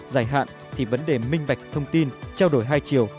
dài hạn thì vấn đề minh bạch thông tin trao đổi hai chiều